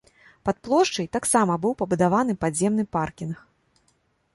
Пад плошчай таксама быў пабудаваны падземны паркінг.